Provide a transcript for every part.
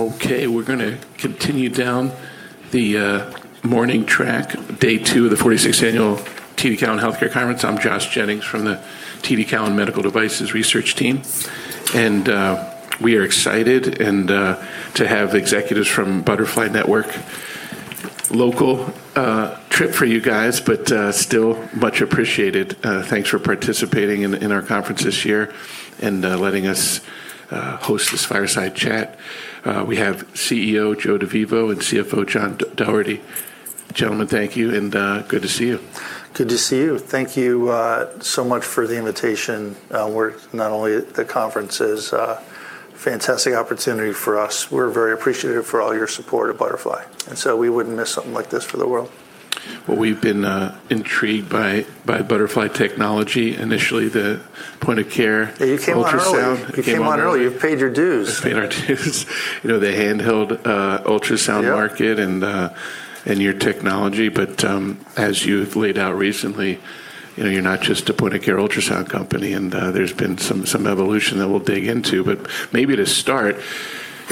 Okay, we're gonna continue down the morning track, day two of the 46th annual TD Cowen Healthcare Conference. I'm Josh Jennings from the TD Cowen Medical Devices research team. We are excited to have executives from Butterfly Network. Local trip for you guys. Still much appreciated. Thanks for participating in our conference this year and letting us host this fireside chat. We have CEO Joe DeVivo and CFO John Doherty. Gentlemen, thank you. Good to see you. Good to see you. Thank you, so much for the invitation. Not only the conference is a fantastic opportunity for us, we're very appreciative for all your support at Butterfly. We wouldn't miss something like this for the world. Well, we've been intrigued by Butterfly technology. Initially, the point-of-care- Yeah, you came on early. ultrasound. You came on early. You came on early. You've paid your dues. We've paid our dues. You know, the handheld ultrasound market- Yep... and your technology. As you've laid out recently, you know, you're not just a point-of-care ultrasound company, there's been some evolution that we'll dig into. Maybe to start, you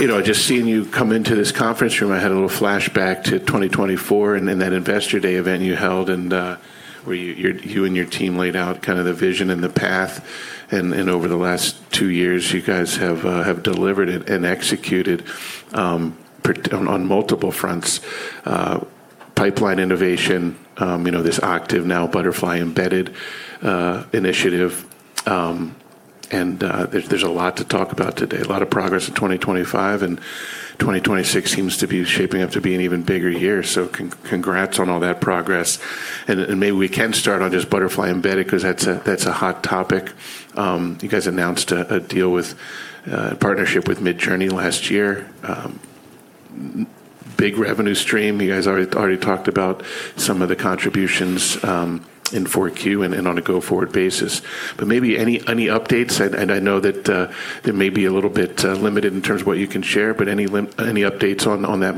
know, just seeing you come into this conference room, I had a little flashback to 2024 and then that Investor Day event you held where you and your team laid out kind of the vision and the path. Over the last 2 years, you guys have delivered it and executed on multiple fronts. Pipeline Innovation, you know, this Octave now Butterfly Embedded initiative. There's a lot to talk about today. A lot of progress in 2025, and 2026 seems to be shaping up to be an even bigger year. Congrats on all that progress. Maybe we can start on just Butterfly Embedded 'cause that's a hot topic. You guys announced a deal with partnership with Midjourney last year. Big revenue stream. You guys already talked about some of the contributions in 4Q and then on a go-forward basis. Maybe any updates? I know that they may be a little bit limited in terms of what you can share, but any updates on that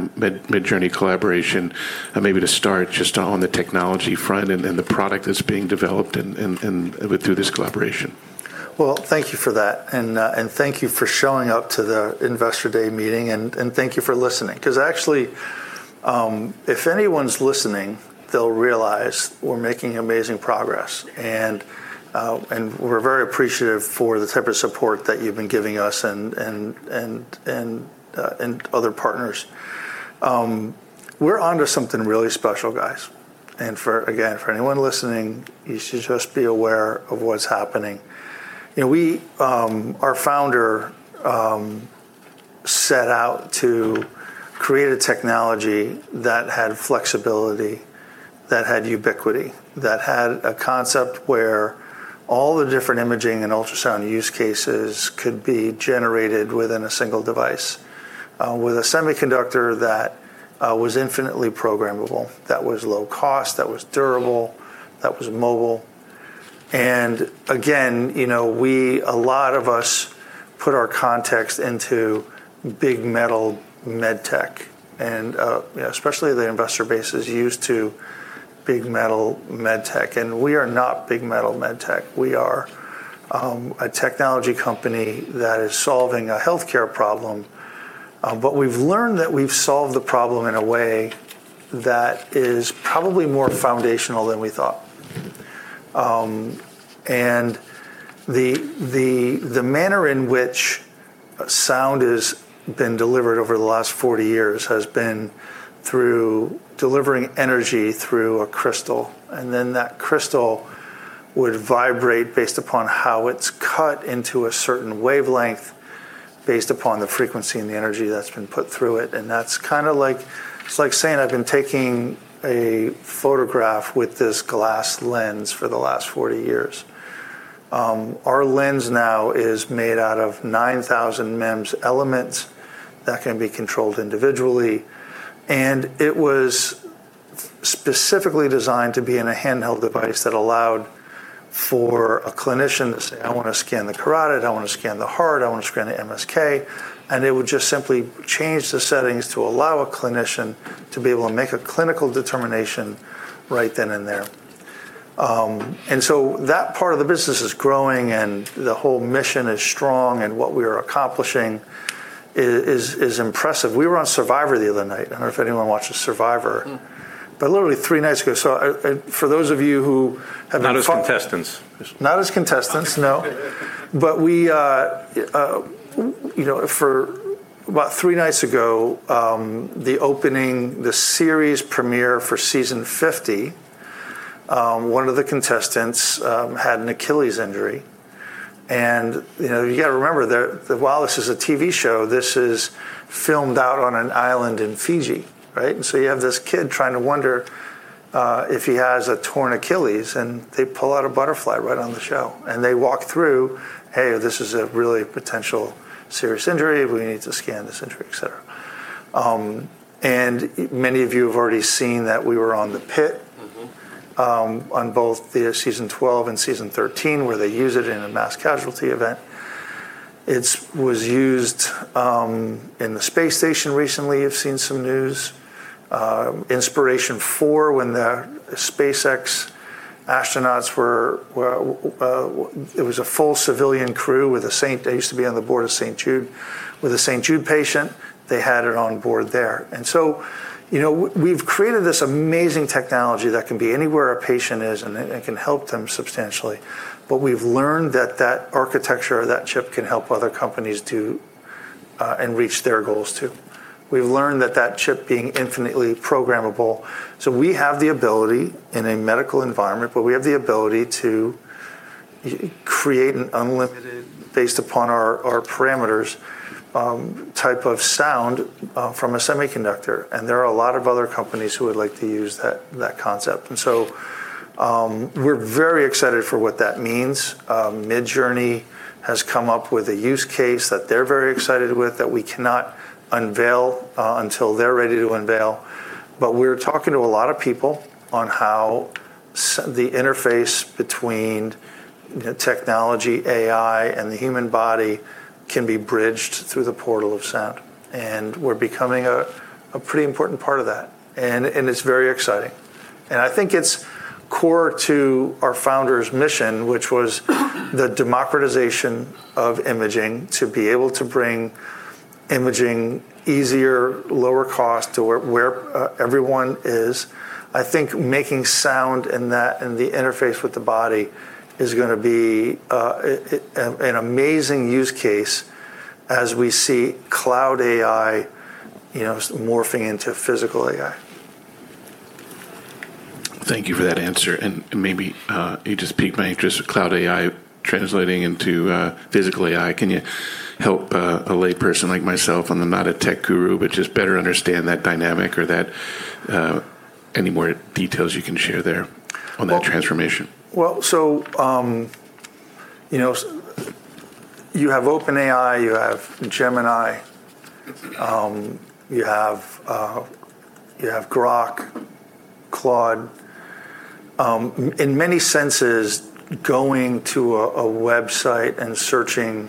Midjourney collaboration, maybe to start just on the technology front and the product that's being developed and through this collaboration? Well, thank you for that. Thank you for showing up to the Investor Day meeting, and thank you for listening. 'Cause actually, if anyone's listening, they'll realize we're making amazing progress. We're very appreciative for the type of support that you've been giving us and other partners. We're onto something really special, guys. For, again, for anyone listening, you should just be aware of what's happening. You know, we, our founder, set out to create a technology that had flexibility, that had ubiquity, that had a concept where all the different imaging and ultrasound use cases could be generated within a single device, with a semiconductor that was infinitely programmable, that was low cost, that was durable, that was mobile. Again, you know, we a lot of us put our context into big metal med tech. You know, especially the investor base is used to big metal med tech, and we are not big metal med tech. We are a technology company that is solving a healthcare problem. But we've learned that we've solved the problem in a way that is probably more foundational than we thought. The, the manner in which sound is been delivered over the last 40 years has been through delivering energy through a crystal, and then that crystal would vibrate based upon how it's cut into a certain wavelength based upon the frequency and the energy that's been put through it. That's kinda like it's like saying I've been taking a photograph with this glass lens for the last 40 years. Our lens now is made out of 9,000 MEMS elements that can be controlled individually, and it was specifically designed to be in a handheld device that allowed for a clinician to say, "I wanna scan the carotid, I wanna scan the heart, I wanna scan the MSK," and it would just simply change the settings to allow a clinician to be able to make a clinical determination right then and there. That part of the business is growing, and the whole mission is strong, and what we are accomplishing is impressive. We were on Survivor the other night. I don't know if anyone watches Survivor. Mm-mm. Literally 3 nights ago. For those of you who have not. Not as contestants. Not as contestants, no. We, you know, for about three nights ago, the opening, the series premiere for season 50, one of the contestants had an Achilles injury. You know, you gotta remember there, that while this is a TV show, this is filmed out on an island in Fiji, right? You have this kid trying to wonder if he has a torn Achilles, and they pull out a Butterfly right on the show. They walk through, "Hey, this is a really potential serious injury. We need to scan this injury," et cetera. Many of you have already seen that we were on The Pitt- Mm-hmm on both the season 12 and season 13, where they use it in a mass casualty event. It was used in the space station recently. You've seen some news. Inspiration4 when the SpaceX astronauts were, it was a full civilian crew with a they used to be on the board of St. Jude. With a St. Jude patient, they had it on board there. you know, we've created this amazing technology that can be anywhere a patient is, and it can help them substantially. We've learned that that architecture or that chip can help other companies too, and reach their goals too. We've learned that that chip being infinitely programmable. We have the ability in a medical environment, but we have the ability to create an unlimited based upon our parameters, type of sound from a semiconductor. There are a lot of other companies who would like to use that concept. We're very excited for what that means. Midjourney has come up with a use case that they're very excited with that we cannot unveil until they're ready to unveil. We're talking to a lot of people on how the interface between technology, AI, and the human body can be bridged through the portal of sound. We're becoming a pretty important part of that. It's very exciting. I think it's core to our founder's mission, which was the democratization of imaging to be able to bring imaging easier, lower cost to where everyone is. I think making sound in the interface with the body is gonna be an amazing use case as we see Cloud AI, you know, morphing into Physical AI. Thank you for that answer. You just piqued my interest with Cloud AI translating into Physical AI. Can you help a layperson like myself, I'm not a tech guru, but just better understand that dynamic or that any more details you can share there on that transformation? You know, you have OpenAI, you have Gemini, you have Grok, Claude. In many senses, going to a website and searching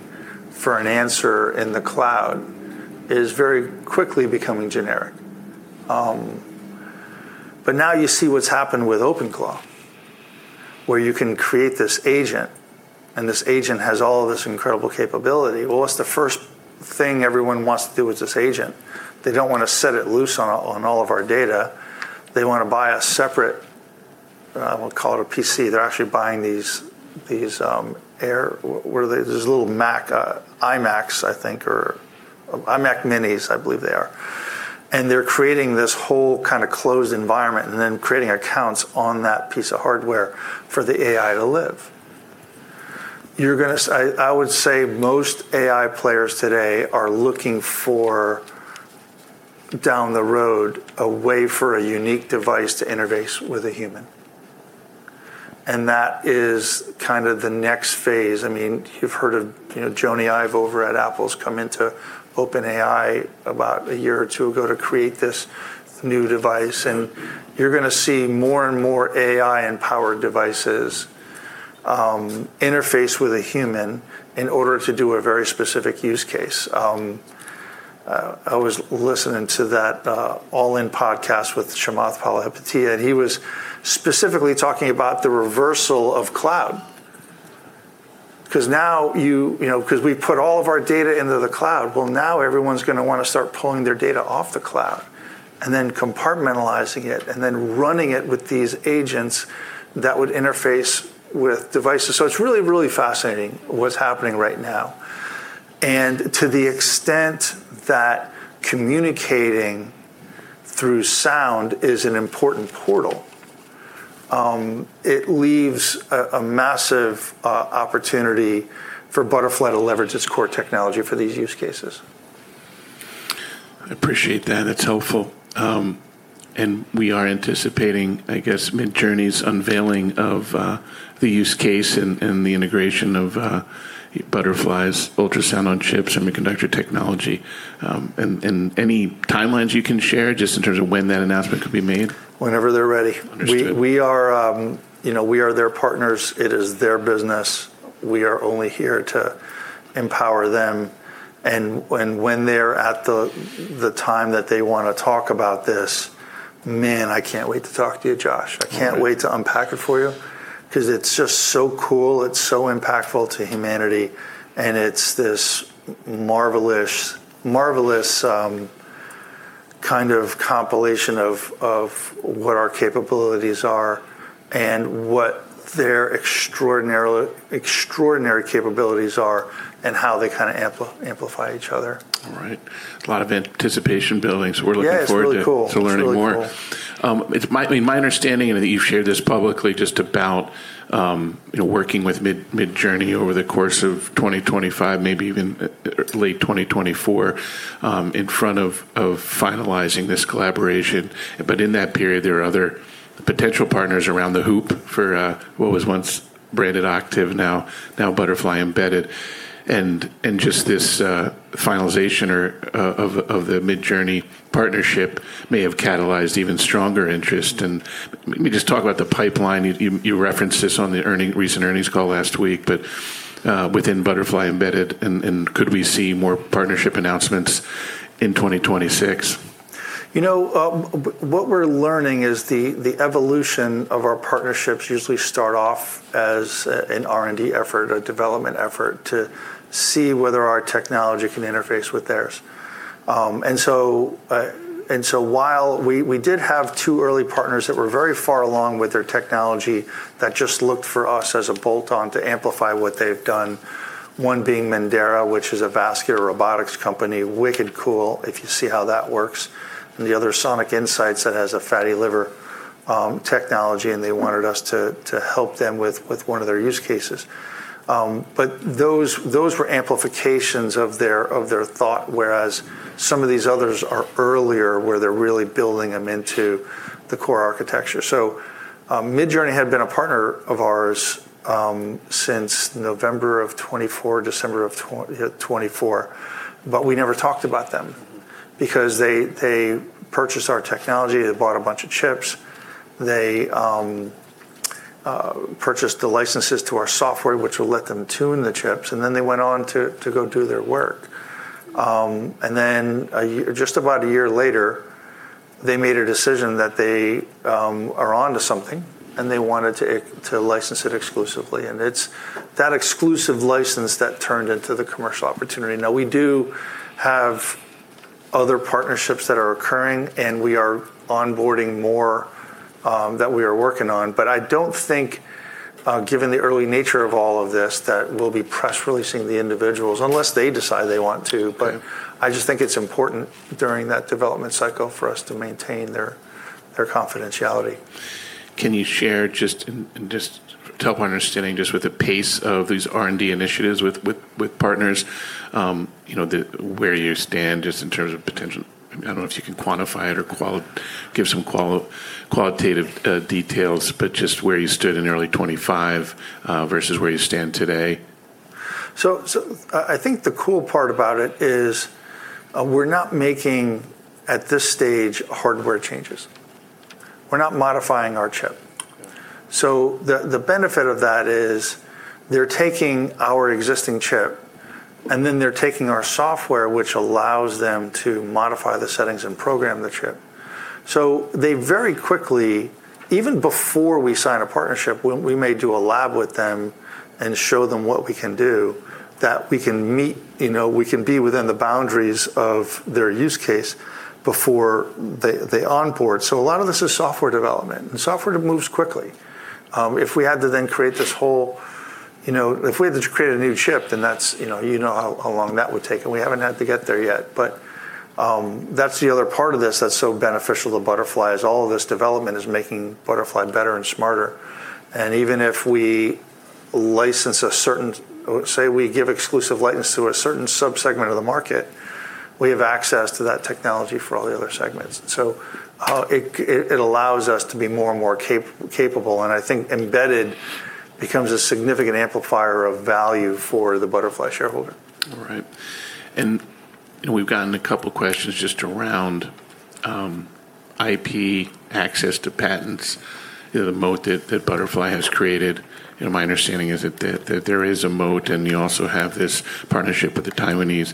for an answer in the cloud is very quickly becoming generic. Now you see what's happened with OpenClaw, where you can create this agent, and this agent has all of this incredible capability. What's the first thing everyone wants to do with this agent? They don't wanna set it loose on all of our data. They wanna buy a separate, we'll call it a PC. They're actually buying these, what are they? These little Mac, iMacs, I think. Or Mac minis, I believe they are. They're creating this whole kinda closed environment and then creating accounts on that piece of hardware for the AI to live. You're gonna I would say most AI players today are looking for, down the road, a way for a unique device to interface with a human. That is kind of the next phase. I mean, you know, Jony Ive over at Apple's come into OpenAI about a year or two ago to create this new device, and you're gonna see more and more AI-empowered devices, interface with a human in order to do a very specific use case. I was listening to that All-In podcast with Chamath Palihapitiya, and he was specifically talking about the reversal of cloud. Now you know, because we've put all of our data into the cloud, well, now everyone's gonna wanna start pulling their data off the cloud and then compartmentalizing it and then running it with these agents that would interface with devices. It's really, really fascinating what's happening right now. To the extent that communicating through sound is an important portal, it leaves a massive opportunity for Butterfly to leverage its core technology for these use cases. I appreciate that. It's helpful. We are anticipating, I guess, Midjourney's unveiling of, the use case and the integration of, Butterfly's Ultrasound-on-Chips semiconductor technology. Any timelines you can share just in terms of when that announcement could be made? Whenever they're ready. Understood. We are, you know, we are their partners. It is their business. We are only here to empower them. When they're at the time that they wanna talk about this, man, I can't wait to talk to you, Josh. I can't wait to unpack it for you because it's just so cool. It's so impactful to humanity. It's this marvelous kind of compilation of what our capabilities are and what their extraordinary capabilities are and how they kind of amplify each other. All right. A lot of anticipation building, so we're looking forward to- Yeah, it's really cool. to learning more. It's really cool. I mean, my understanding, and I think you've shared this publicly, just about, you know, working with Midjourney over the course of 2025, maybe even late 2024, in front of finalizing this collaboration. In that period, there are other potential partners around the hoop for what was once branded Octave, now Butterfly Embedded. Just this finalization of the Midjourney partnership may have catalyzed even stronger interest. Let me just talk about the pipeline. You referenced this on the recent earnings call last week, but within Butterfly Embedded, could we see more partnership announcements in 2026? You know, what we're learning is the evolution of our partnerships usually start off as an R&D effort, a development effort to see whether our technology can interface with theirs. While we did have two early partners that were very far along with their technology that just looked for us as a bolt-on to amplify what they've done. One being Mendaera, which is a vascular robotics company, wicked cool if you see how that works. The other Sonic Incytes that has a fatty liver technology, and they wanted us to help them with one of their use cases. Those were amplifications of their thought, whereas some of these others are earlier, where they're really building them into the core architecture. Midjourney had been a partner of ours since November of 2024, December of 2024. We never talked about them because they purchased our technology, they bought a bunch of chips. They purchased the licenses to our software, which will let them tune the chips, and then they went on to go do their work. Just about a year later, they made a decision that they are onto something, and they wanted to license it exclusively. It's that exclusive license that turned into the commercial opportunity. We do have other partnerships that are occurring, and we are onboarding more that we are working on. I don't think, given the early nature of all of this, that we'll be press-releasing the individuals unless they decide they want to. I just think it's important during that development cycle for us to maintain their confidentiality. Can you share and just to help understanding just with the pace of these R&D initiatives with partners, you know, where you stand just in terms of potential? I mean, I don't know if you can quantify it or give some qualitative details, but just where you stood in early 2025 versus where you stand today? I think the cool part about it is, we're not making at this stage hardware changes. We're not modifying our chip. The benefit of that is they're taking our existing chip, and then they're taking our software, which allows them to modify the settings and program the chip. Even before we sign a partnership, we may do a lab with them and show them what we can do, that we can meet, you know, we can be within the boundaries of their use case before they onboard. A lot of this is software development, and software moves quickly. If we had to then create this whole, you know, if we had to create a new chip, then that's, you know, how long that would take, and we haven't had to get there yet. That's the other part of this that's so beneficial to Butterfly is all of this development is making Butterfly better and smarter. Even if we license a certain, say we give exclusive license to a certain subsegment of the market, we have access to that technology for all the other segments. It allows us to be more and more capable, and I think Embedded becomes a significant amplifier of value for the Butterfly shareholder. All right. We've gotten a couple questions just around IP access to patents, you know, the moat that Butterfly has created. You know, my understanding is that there is a moat, and you also have this partnership with a Taiwanese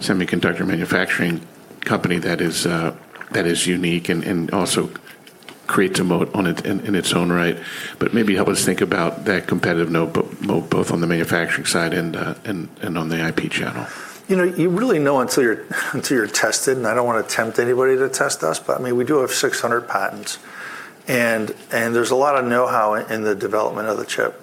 semiconductor manufacturing company that is unique and also creates a moat in its own right. Maybe help us think about that competitive moat both on the manufacturing side and on the IP channel. You know, you really know until you're, until you're tested, and I don't wanna tempt anybody to test us. I mean, we do have 600 patents and there's a lot of know-how in the development of the chip.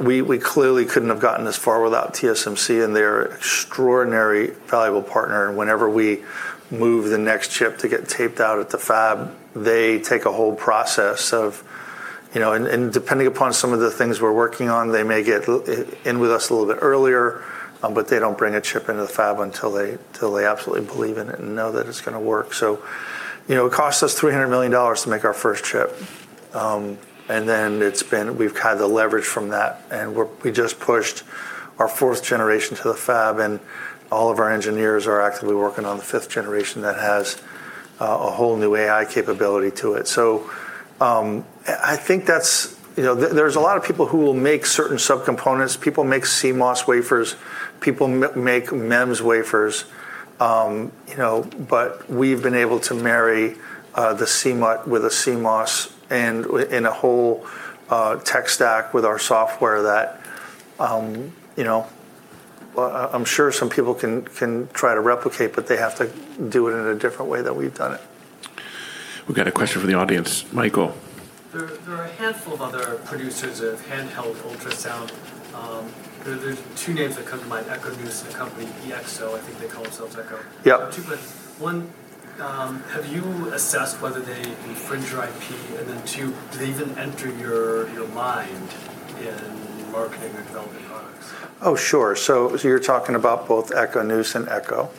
We clearly couldn't have gotten this far without TSMC and their extraordinary valuable partner. Whenever we move the next chip to get taped out at the fab, they take a whole process of, you know. And depending upon some of the things we're working on, they may get in with us a little bit earlier, but they don't bring a chip into the fab until they, till they absolutely believe in it and know that it's gonna work. You know, it cost us $300 million to make our first chip. we've kind of leveraged from that, we just pushed our fourth generation to the fab, and all of our engineers are actively working on the fifth generation that has a whole new AI capability to it. I think that's, you know, there's a lot of people who will make certain subcomponents. People make CMOS wafers, people make MEMS wafers. you know, we've been able to marry the CMUT with a CMOS and in a whole tech stack with our software that, you know, I'm sure some people can try to replicate, but they have to do it in a different way than we've done it. We've got a question from the audience. Michael. There are a handful of other producers of handheld ultrasound. There's two names that come to mind, EchoNous, the company Exo. I think they call themselves Echo. Yep. Two questions. One, have you assessed whether they infringe your IP? Two, do they even enter your mind in marketing or developing products? Oh, sure. You're talking about both EchoNous and Echo.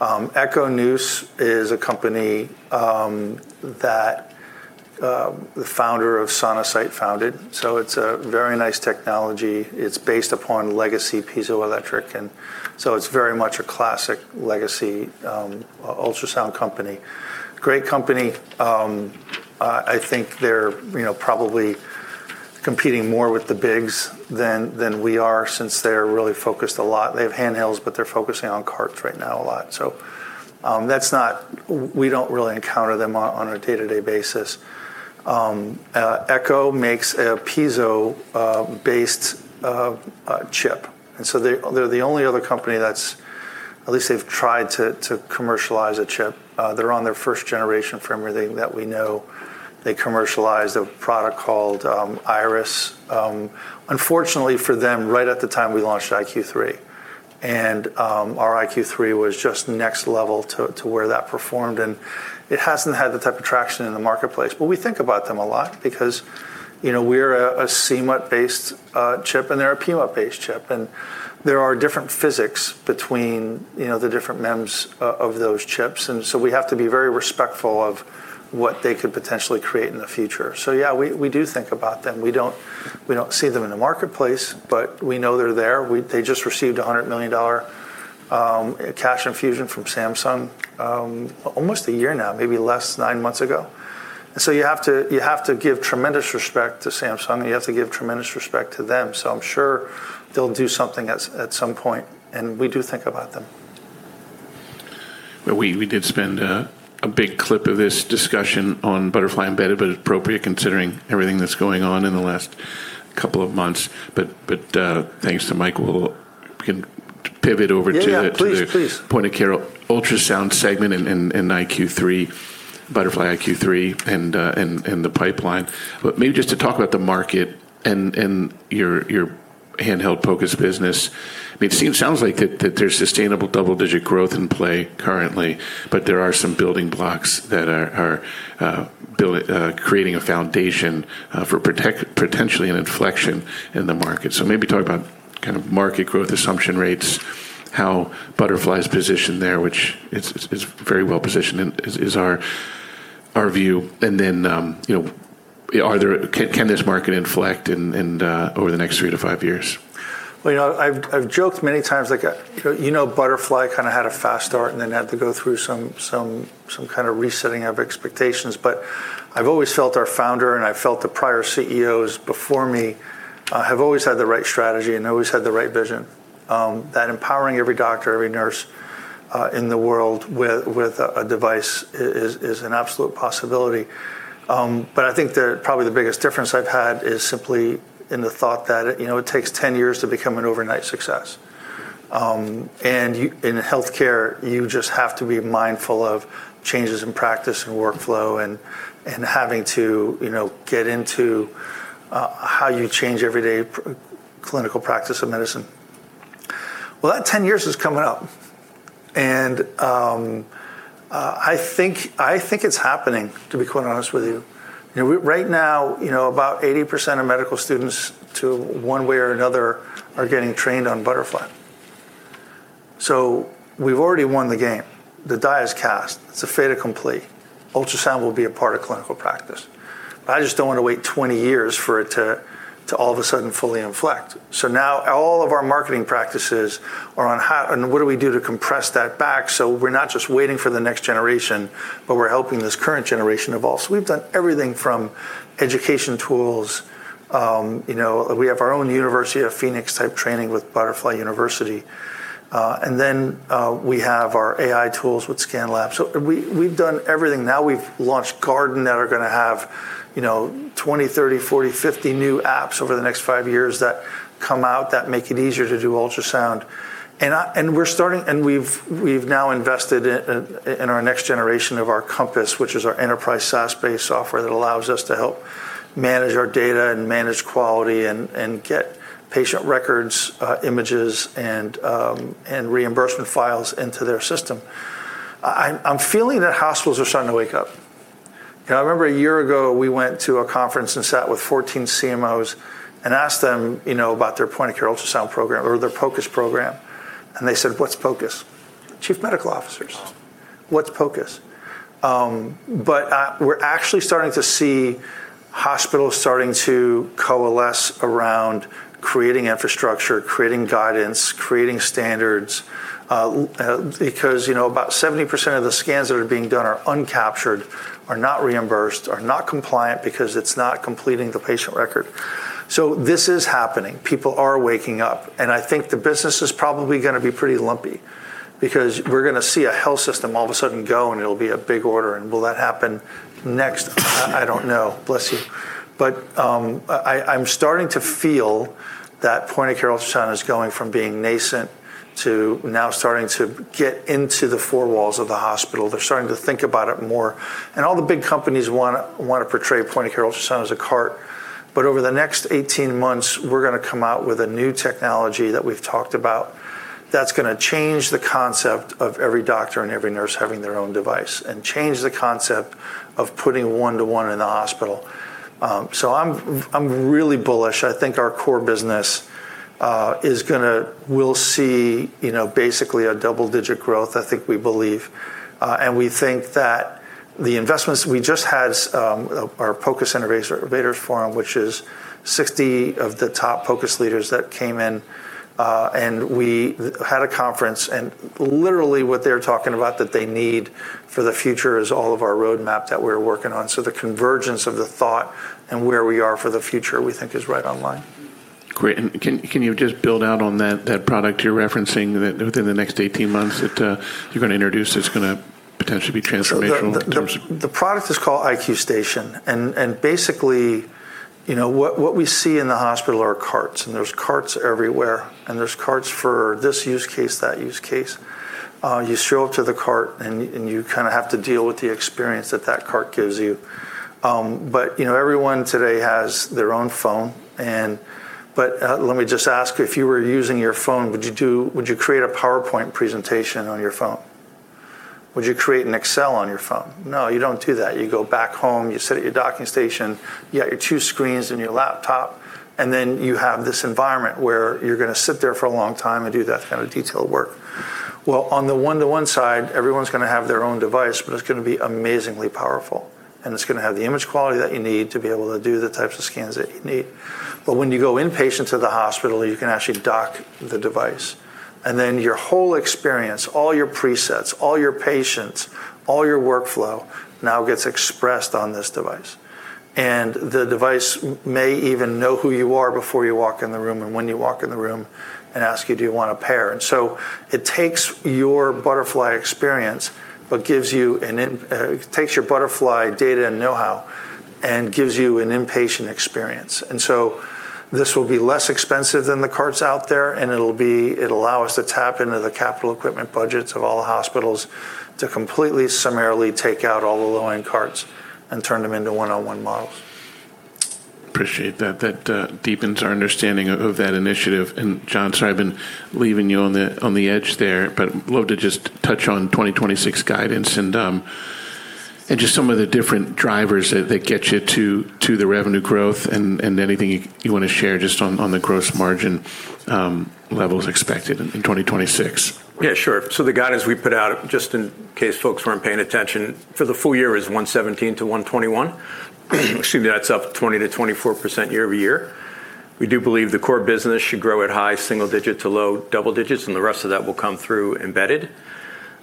EchoNous is a company that the founder of Sonosite founded. It's a very nice technology. It's based upon legacy piezoelectric, it's very much a classic legacy ultrasound company. Great company. I think they're, you know, probably competing more with the bigs than we are since they're really focused a lot. They have handhelds, but they're focusing on carts right now a lot. We don't really encounter them on a day-to-day basis. Echo makes a piezo based chip. They're the only other company that's at least they've tried to commercialize a chip. They're on their first generation from everything that we know. They commercialized a product called Iris. Unfortunately for them, right at the time we launched iQ3. Our iQ3 was just next level to where that performed, and it hasn't had the type of traction in the marketplace. We think about them a lot because, you know, we're a CMUT-based chip, and they're a PMUT-based chip. There are different physics between, you know, the different MEMS of those chips. We have to be very respectful of what they could potentially create in the future. Yeah, we do think about them. We don't see them in the marketplace, but we know they're there. They just received a $100 million cash infusion from Samsung, almost one year now, maybe less, nine months ago. You have to give tremendous respect to Samsung, and you have to give tremendous respect to them. I'm sure they'll do something at some point, and we do think about them. We did spend a big clip of this discussion on Butterfly Embedded, but it's appropriate considering everything that's going on in the last couple of months. Thanks to Mike, we can pivot over. Yeah. Please. point-of-care ultrasound segment and iQ3, Butterfly iQ3 and the pipeline. Maybe just to talk about the market and your handheld POCUS business. I mean, it sounds like there's sustainable double-digit growth in play currently, but there are some building blocks that are creating a foundation for potentially an inflection in the market. Maybe talk about kind of market growth assumption rates, how Butterfly's positioned there, which it's very well positioned and is our view. Then, you know, can this market inflect over the next 3-5 years? You know, I've joked many times, like, you know, Butterfly kind of had a fast start and then had to go through some kind of resetting of expectations. I've always felt our founder, and I've felt the prior CEOs before me, have always had the right strategy and always had the right vision, that empowering every doctor, every nurse, in the world with a device is an absolute possibility. I think the, probably the biggest difference I've had is simply in the thought that, you know, it takes 10 years to become an overnight success. In healthcare, you just have to be mindful of changes in practice and workflow and having to, you know, get into, how you change everyday clinical practice of medicine. Well, that 10 years is coming up, and I think it's happening, to be quite honest with you. You know, right now, you know, about 80% of medical students to one way or another are getting trained on Butterfly. We've already won the game. The die is cast. It's a fait accompli. Ultrasound will be a part of clinical practice. I just don't want to wait 20 years for it to all of a sudden fully inflect. Now all of our marketing practices are on and what do we do to compress that back, so we're not just waiting for the next generation, but we're helping this current generation evolve. We've done everything from education tools, you know, we have our own University of Phoenix type training with Butterfly University. We have our AI tools with ScanLab. We've done everything. Now we've launched Garden that are gonna have, you know, 20, 30, 40, 50 new apps over the next 5 years that come out that make it easier to do ultrasound. We've now invested in our next generation of our Compass, which is our enterprise SaaS-based software that allows us to help manage our data and manage quality and get patient records, images, and reimbursement files into their system. I'm feeling that hospitals are starting to wake up. You know, I remember a year ago, we went to a conference and sat with 14 CMOs and asked them, you know, about their point-of-care ultrasound program or their POCUS program. They said, "What's POCUS?" Chief medical officers. What's POCUS? We're actually starting to see hospitals starting to coalesce around creating infrastructure, creating guidance, creating standards, because, you know, about 70% of the scans that are being done are uncaptured, are not reimbursed, are not compliant because it's not completing the patient record. This is happening. People are waking up, and I think the business is probably gonna be pretty lumpy because we're gonna see a health system all of a sudden go, and it'll be a big order. Will that happen next? I don't know. Bless you. I'm starting to feel that point-of-care ultrasound is going from being nascent to now starting to get into the four walls of the hospital. They're starting to think about it more. All the big companies wanna portray point-of-care ultrasound as a cart. Over the next 18 months, we're gonna come out with a new technology that we've talked about that's gonna change the concept of every doctor and every nurse having their own device and change the concept of putting one-to-one in the hospital. I'm really bullish. I think our core business will see, you know, basically a double-digit growth, I think we believe. We think that the investments we just had, our POCUS Innovators Forum, which is 60 of the top POCUS leaders that came in, and we had a conference, and literally what they're talking about that they need for the future is all of our roadmap that we're working on. The convergence of the thought and where we are for the future, we think is right online. Great. Can you just build out on that product you're referencing that within the next 18 months that you're gonna introduce that's gonna potentially be transformational? The product is called iQ Station. Basically, you know what, we see in the hospital are carts, and there's carts everywhere, and there's carts for this use case, that use case. You show up to the cart and you kinda have to deal with the experience that that cart gives you. You know, everyone today has their own phone and... Let me just ask, if you were using your phone, would you create a PowerPoint presentation on your phone? Would you create an Excel on your phone? No, you don't do that. You go back home, you sit at your docking station, you got your two screens and your laptop, and then you have this environment where you're gonna sit there for a long time and do that kind of detailed work. On the one-to-one side, everyone's gonna have their own device, but it's gonna be amazingly powerful, and it's gonna have the image quality that you need to be able to do the types of scans that you need. When you go inpatient to the hospital, you can actually dock the device, and then your whole experience, all your presets, all your patients, all your workflow now gets expressed on this device. The device may even know who you are before you walk in the room and when you walk in the room and ask you, "Do you wanna pair?" It takes your Butterfly experience, but takes your Butterfly data and know-how and gives you an inpatient experience. This will be less expensive than the carts out there, and it'll allow us to tap into the capital equipment budgets of all the hospitals to completely summarily take out all the low-end carts and turn them into one-on-one models. Appreciate that. That deepens our understanding of that initiative. John, sorry, I've been leaving you on the edge there, but love to just touch on 2026 guidance and just some of the different drivers that get you to the revenue growth and anything you wanna share just on the gross margin levels expected in 2026. Yeah, sure. The guidance we put out, just in case folks weren't paying attention, for the full year is $117 million-$121 million. That's up 20%-24% year-over-year. We do believe the core business should grow at high single-digit to low double-digit, and the rest of that will come through embedded.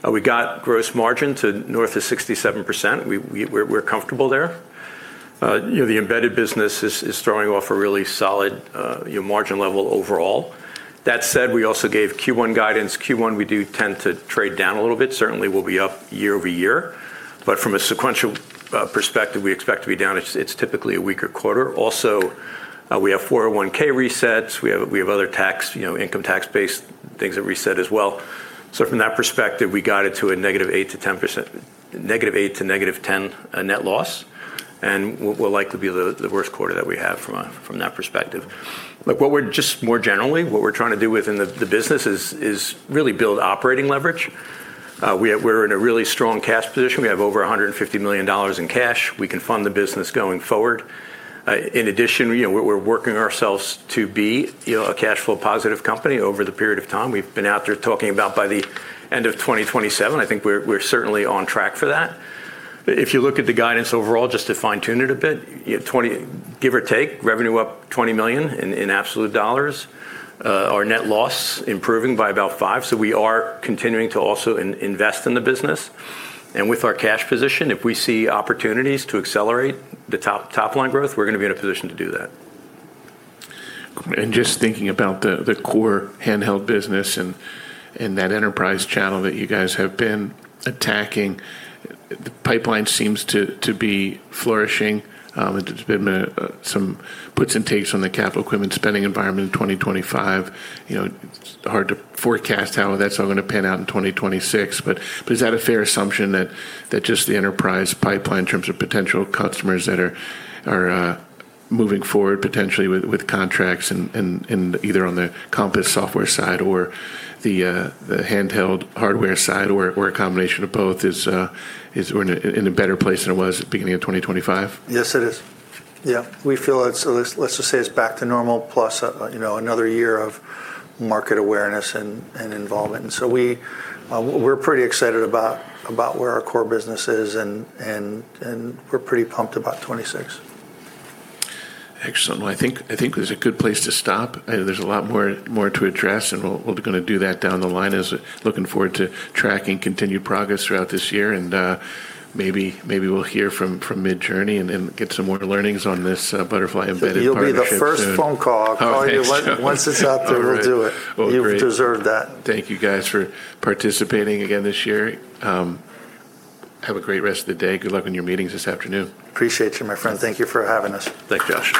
We got gross margin to north of 67%. We're comfortable there. You know, the embedded business is throwing off a really solid, you know, margin level overall. We also gave Q1 guidance. Q1, we do tend to trade down a little bit. Certainly we'll be up year-over-year, but from a sequential perspective, we expect to be down. It's, it's typically a weaker quarter. We have 401(k) resets. We have other tax, you know, income tax-based things that reset as well. From that perspective, we got it to a -8% to -10% net loss. Will likely be the worst quarter that we have from that perspective. What we're just more generally, what we're trying to do within the business is really build operating leverage. We're in a really strong cash position. We have over $150 million in cash. We can fund the business going forward. In addition, you know, we're working ourselves to be, you know, a cash flow positive company over the period of time. We've been out there talking about by the end of 2027. I think we're certainly on track for that. If you look at the guidance overall, just to fine-tune it a bit, you have 20, give or take, revenue up $20 million in absolute dollars. Our net loss improving by about $5 million, so we are continuing to also invest in the business. With our cash position, if we see opportunities to accelerate the top line growth, we're gonna be in a position to do that. Just thinking about the core handheld business and that enterprise channel that you guys have been attacking, the pipeline seems to be flourishing. There's been some puts and takes on the capital equipment spending environment in 2025. You know, hard to forecast how that's all gonna pan out in 2026, but is that a fair assumption that just the enterprise pipeline in terms of potential customers that are moving forward potentially with contracts and either on the Compass software side or the handheld hardware side, or a combination of both, we're in a better place than it was at the beginning of 2025? Yes, it is. Yeah. We feel it's let's just say it's back to normal plus, you know, another year of market awareness and involvement. We're pretty excited about where our core business is and we're pretty pumped about 2026. Excellent. I think this is a good place to stop. I know there's a lot more to address, and we're gonna do that down the line as looking forward to tracking continued progress throughout this year, and maybe we'll hear from Midjourney and then get some more learnings on this Butterfly Embedded partnership soon. You'll be the first phone call. Oh, thanks, John. I'll call you once it's out there, we'll do it. All right. Well, great. You deserve that. Thank you guys for participating again this year. Have a great rest of the day. Good luck on your meetings this afternoon. Appreciate you, my friend. Thank you for having us. Thank you, Josh.